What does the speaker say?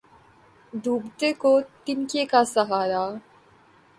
ڈیںبتیں کیں تنکیں کا سہارا